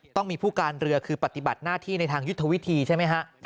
ต้องมีผู้การเรือคือปฏิบัติหน้าที่ในทางยุทธวิธีใช่ไหมฮะ